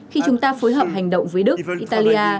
khi chúng ta phối hợp hành động với đức italia